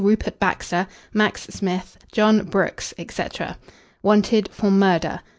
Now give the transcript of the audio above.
RUPERT BAXTER, MAX SMITH, JOHN BROOKS, etc. Wanted For MURDER.